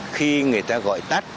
khi người ta gọi tắt